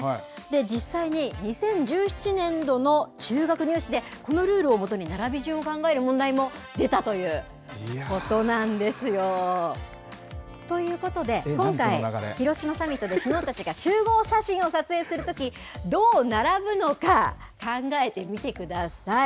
実際に２０１７年度の中学入試でこのルールを基に並び順を考える問題も出たということなんですよ。ということで、今回、広島サミットで首脳たちが集合写真を撮影するとき、どう並ぶのか、考えてみてください。